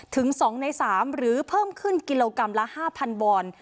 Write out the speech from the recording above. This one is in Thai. ถึง๒ใน๓หรือเพิ่มขึ้นกิโลกรัมละ๕๐๐วอน